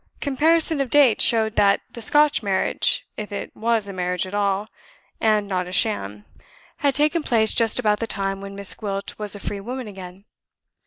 Comparison of dates showed that the Scotch marriage if it was a marriage at all, and not a sham had taken place just about the time when Miss Gwilt was a free woman again.